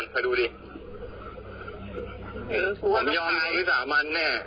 ผมใหญ่ฟิษามัน